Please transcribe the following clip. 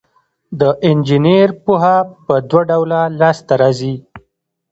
د انجینر پوهه په دوه ډوله لاس ته راځي.